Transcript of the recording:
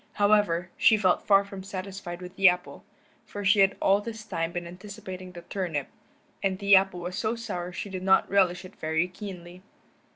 However, she felt far from satisfied with the apple, for she had all this time been anticipating the turnip, and the apple was so sour she did not relish it very keenly.